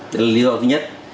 đó là lý do thứ nhất